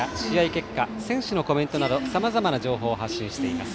結果選手のコメントなどさまざまな情報を発信しています。